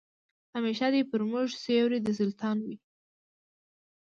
همېشه دي پر موږ سیوری د سلطان وي